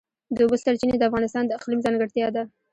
د اوبو سرچینې د افغانستان د اقلیم ځانګړتیا ده.